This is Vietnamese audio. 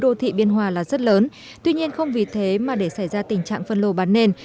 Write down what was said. đô thị biên hòa là rất lớn tuy nhiên không vì thế mà để xảy ra tình trạng phân lô bán nền